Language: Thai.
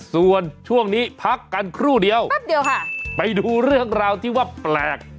ส่วนช่วงนี้พักกันครู่เดียวไปดูเรื่องราวที่ว่าแปลก